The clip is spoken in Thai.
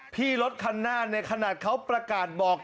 พี่รถคันหน้าในขนาดเขาประกาศบอก